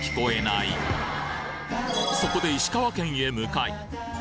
そこで石川県へ向かい